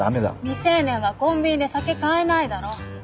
未成年はコンビニで酒買えないだろ。